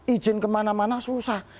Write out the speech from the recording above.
ijin kemana mana susah